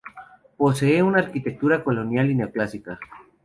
Posee una arquitectura colonial y neoclásica.